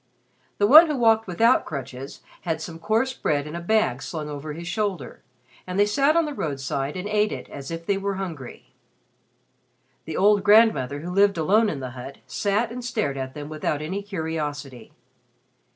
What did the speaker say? The one who walked without crutches had some coarse bread in a bag slung over his shoulder, and they sat on the roadside and ate it as if they were hungry. The old grandmother who lived alone in the hut sat and stared at them without any curiosity.